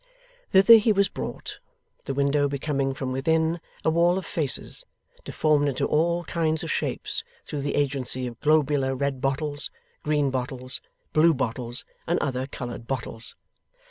Thither he was brought; the window becoming from within, a wall of faces, deformed into all kinds of shapes through the agency of globular red bottles, green bottles, blue bottles, and other coloured bottles.